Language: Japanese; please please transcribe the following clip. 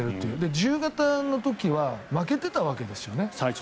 自由形の時は負けてたわけですよね。